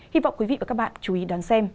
hy vọng quý vị và các bạn chú ý đón xem